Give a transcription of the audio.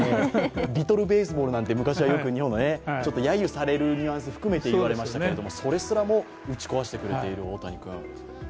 リトル・ベースボールなんて昔は日本ちょっとやゆされるニュアンス含めて言われましたけど、それすらもぶち壊してくれている大谷君。